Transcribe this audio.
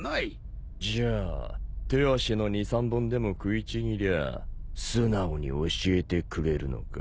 じゃあ手足の２３本でも食いちぎりゃあ素直に教えてくれるのか？